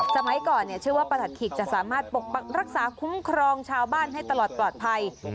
สมัยก่อนเชื่อว่าประหลัดขีกจะสามารถปกปักรักษาคุ้มครองชาวบ้านให้ตลอดปลอดภัย